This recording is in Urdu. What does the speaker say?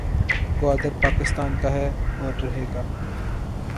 گودار پاکستان کاھے اور رہے گا